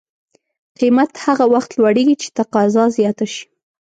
قیمت هغه وخت لوړېږي چې تقاضا زیاته شي.